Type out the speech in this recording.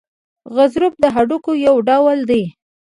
غضروف د هډوکو یو ډول دی.